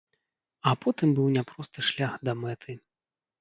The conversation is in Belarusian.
А потым быў няпросты шлях да мэты.